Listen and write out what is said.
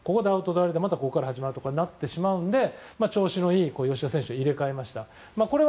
またここから始まるとかになってしまうので調子のいい吉田選手を入れ替えました。